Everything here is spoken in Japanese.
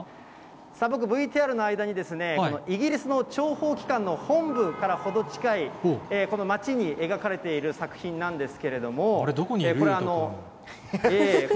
さあ、僕、ＶＴＲの間に、イギリスの諜報機関の本部から程近いこの街に描かれている作品などこにいる？